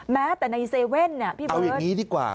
แม้แต่ในเซเว่นพี่เวิร์ดเอาอย่างนี้ดีกว่า